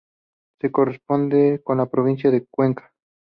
Se corresponde con la provincia de Cuenca.